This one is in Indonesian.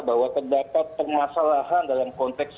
bahwa terdapat permasalahan dalam konteks